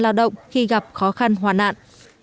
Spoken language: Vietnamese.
lao động khi gặp khó khăn hoàn nạn